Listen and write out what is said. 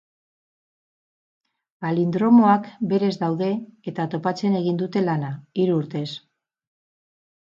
Palindromoak berez daude eta topatzen egin dute lana, hiru urtez.